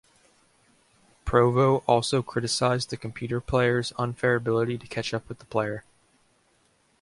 Provo also criticized the computer player's unfair ability to catch up with the player.